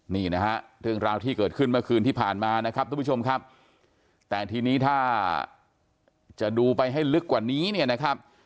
นี่นะฮะเรื่องราวที่เกิดขึ้นเมื่อคืนที่ผ่านมานะครับทุกผู้ชมครับแต่ทีนี้ถ้าจะดูไปให้ลึกกว่านี้เนี่ยนะครับ